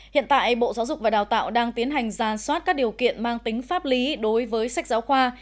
hiện tại bộ giáo dục và đào tạo đang tiến hành ra soát các điều kiện mang tính pháp lý đối với sách giáo khoa